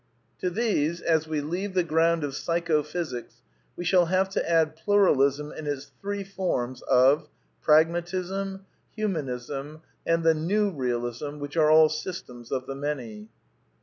To these, as we leave the ground of Psychophysics, we shall have to add Pluralism in its three forms of : 1. Pragmatism, 2. Humanism, and the 3. New Kealism, which are all systems of the Many.